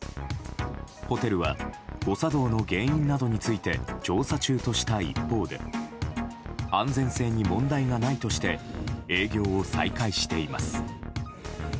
ホテルは誤作動の原因などについて調査中とした一方で安全性に問題がないとして営業を再開しています。